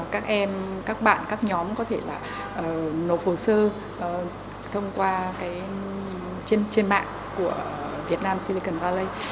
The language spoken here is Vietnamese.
các em các bạn các nhóm có thể là nộp hồ sơ thông qua trên mạng của vietnam silicon valley